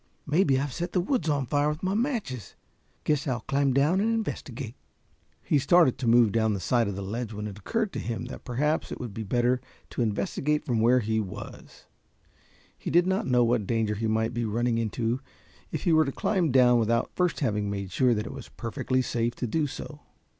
"Maybe I've set the woods on fire with my matches. Guess I'll climb down and investigate." He started to move down the side of the ledge when it occurred to him that perhaps it would be better to investigate from where he was; he did not know what danger he might be running into if he were to climb down without first having made sure that it was perfectly safe to do so.